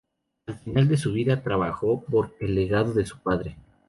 Al final de su vida, trabajó por el legado de su padre.